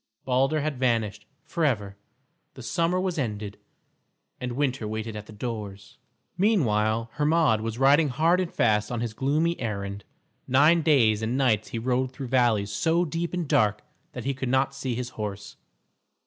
Balder had vanished forever, the summer was ended, and winter waited at the doors. Meanwhile Hermod was riding hard and fast on his gloomy errand. Nine days and nights he rode through valleys so deep and dark that he could not see his horse.